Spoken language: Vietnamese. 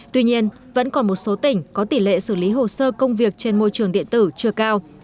tuy nhiên vẫn còn một số tỉnh có tỷ lệ xử lý hồ sơ công việc trên môi trường điện tử chưa cao